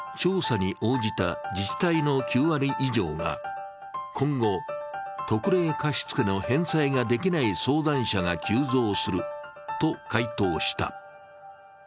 調査に応じた自治体の９割以上が今後、特例貸付の返済ができない相談者が急増すると回答した。